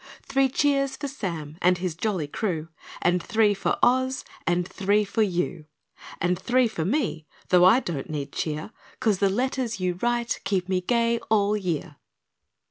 Three cheers for Sam, And his jolly crew, And three for OZ And three for YOU, And three for me, Though I don't need cheer 'Cause the letters you write Keep me gay ALL year!